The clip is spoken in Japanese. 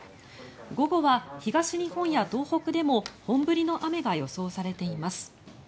午後は東日本や東北でも本降りの雨が予想されています。